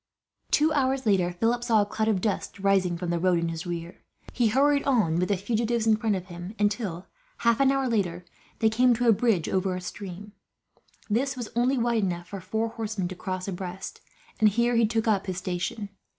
Two hours later, Philip saw a cloud of dust rising from the road in his rear. He hurried on with the fugitives in front of him until, half an hour later, they came to a bridge over a stream. This was only wide enough for four horsemen to cross abreast, and here he took up his station.